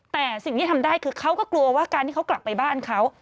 แต่สิ่งที่ทำได้คือเขาก็กลัวว่าการที่เขากลับไปบ้านเขา